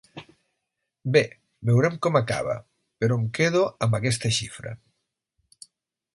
Bé, veurem com acaba, però em quedo amb aquesta xifra.